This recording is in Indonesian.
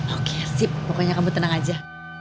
oke sip pokoknya kamu tenang aja